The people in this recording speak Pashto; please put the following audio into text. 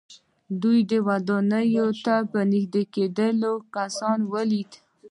دې ودانۍ ته په نږدې کېدلو کسان وليدل.